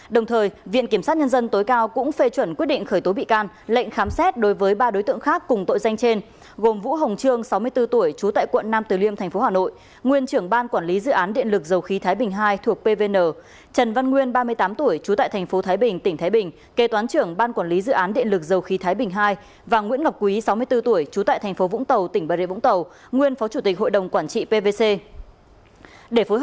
đồng thời viện kiểm sát nhân dân tối cao cũng phê chuẩn quyết định khởi tố bị can lệnh khám xét đối với ba đối tượng khác cùng tội danh trên gồm vũ hồng trương sáu mươi bốn tuổi trú tại quận nam từ liêm tp hà nội nguyên trưởng ban quản lý dự án điện lực dầu khí thái bình hai thuộc pvn trần văn nguyên ba mươi tám tuổi trú tại tp thái bình tỉnh thái bình kê toán trưởng ban quản lý dự án điện lực dầu khí thái bình hai và nguyễn ngọc quý sáu mươi bốn tuổi trú tại tp vũng tàu tỉnh bà rịa vũng tàu